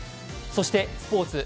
そしてスポーツ。